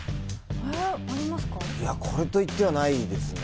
これといってはないですね。